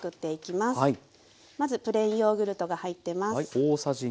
まずプレーンヨーグルトが入ってます。